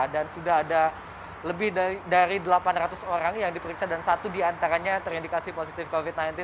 dan sudah ada lebih dari delapan ratus orang yang diperiksa dan satu diantaranya terindikasi positif covid sembilan belas